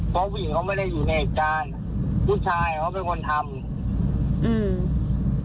เพราะผู้หญิงเขาไม่ได้อยู่ในเหตุการณ์ผู้ชายเขาเป็นคนทำอืม